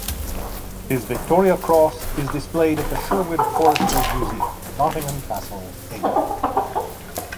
His Victoria Cross is displayed at the Sherwood Foresters Museum, Nottingham Castle, England.